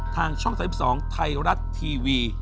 ทางช่อง๓๒ไทยรัฐทีวี